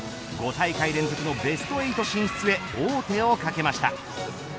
５大会連続のベスト８進出へ王手をかけました。